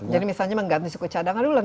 jadi misalnya mengganti suku cadangan